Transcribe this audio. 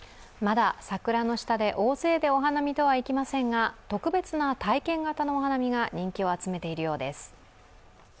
まだ桜の下で大勢でお花見とはいきませんが、特別な体験型のお花見が人気を集めているようです。